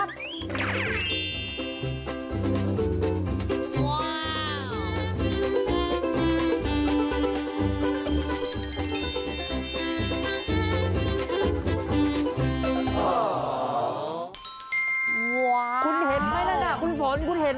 ไปดูสิครับ